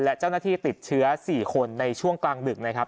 และเจ้าหน้าที่ติดเชื้อ๔คนในช่วงกลางดึกนะครับ